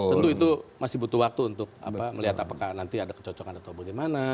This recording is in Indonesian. tentu itu masih butuh waktu untuk melihat apakah nanti ada kecocokan atau bagaimana